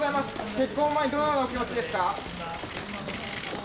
結婚を前に、どのようなお気持ちですか？